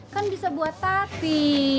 kan bisa buat tapi